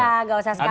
nggak usah sekarang